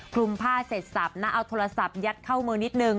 คลุมผ้าเสร็จสับนะเอาโทรศัพท์ยัดเข้ามือนิดนึง